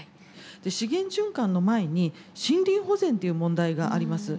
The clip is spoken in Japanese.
資源循環の前に森林保全という問題があります。